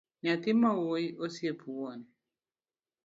Nyathi mawuoyi osiep wuon